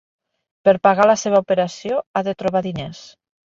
Per pagar la seva operació, ha de trobar diners.